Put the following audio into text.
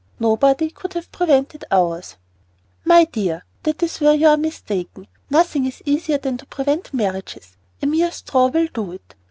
Nobody could have prevented ours." "My dear, that is just where you are mistaken. Nothing is easier than to prevent marriages. A mere straw will do it.